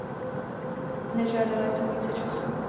Nežádala jsem více času.